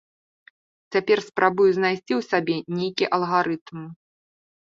Цяпер спрабую знайсці ў сабе нейкі алгарытм.